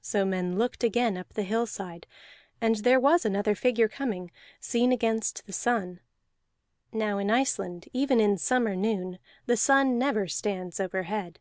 So men looked again up the hillside, and there was another figure coming, seen against the sun. (Now in Iceland, even in summer noon, the sun never stands overhead.)